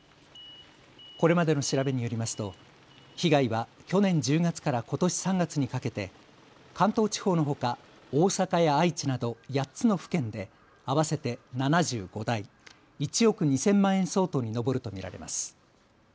これまでの調べによりますと、被害は去年１０月からことし３月にかけて関東地方のほか大阪や愛知など８つの府県で合わせて７５台、１億２０００万円相当に上ると見られます。